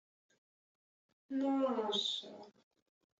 — Наша!